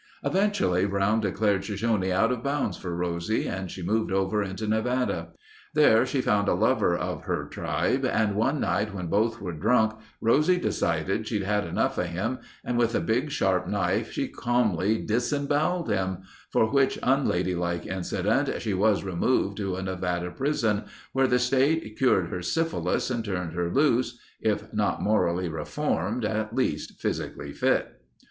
Eventually Brown declared Shoshone out of bounds for Rosie and she moved over into Nevada. There she found a lover of her tribe and one night when both were drunk, Rosie decided she'd had enough of him and with a big, sharp knife she calmly disemboweled him—for which unladylike incident she was removed to a Nevada prison where the state cured her syphilis and turned her loose—if not morally reformed, at least physically fit.